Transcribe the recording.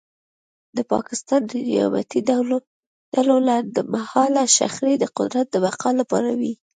د پاکستان د نیابتي ډلو لنډمهاله شخړې د قدرت د بقا لپاره وې